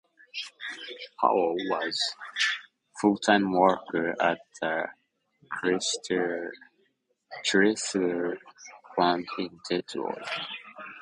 Paul was a full-time worker at a Chrysler plant in Detroit.